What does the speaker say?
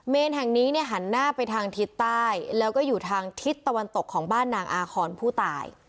แห่งนี้เนี่ยหันหน้าไปทางทิศใต้แล้วก็อยู่ทางทิศตะวันตกของบ้านนางอาคอนผู้ตาย